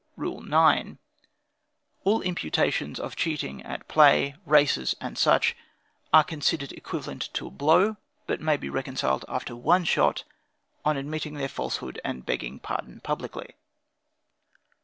"Rule 9. All imputations of cheating at play, races, &c, to be considered equivalent to a blow; but may be reconciled after one shot, on admitting their falsehood, and begging pardon publicly.